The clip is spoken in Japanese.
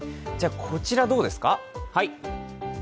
こちらどうですか？